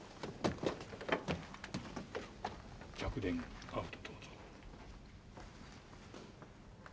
客電アウトどうぞ。